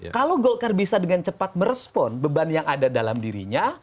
kalau golkar bisa dengan cepat merespon beban yang ada dalam dirinya